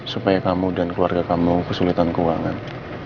supaya kamu dan keluarga kamu kesulitan keuangan